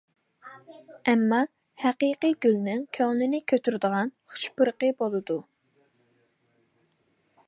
ئەمما، ھەقىقىي گۈلنىڭ كۆڭۈلنى كۆتۈرىدىغان خۇش پۇرىقى بولىدۇ.